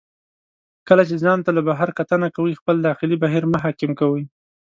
کله چې ځان ته له بهر کتنه کوئ، خپل داخلي بهیر مه حاکم کوئ.